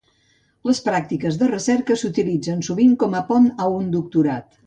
Les pràctiques de recerca s'utilitzen sovint com a pont a un doctorat.